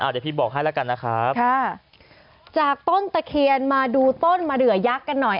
เดี๋ยวพี่บอกให้แล้วกันนะครับค่ะจากต้นตะเคียนมาดูต้นมะเดือยักษ์กันหน่อย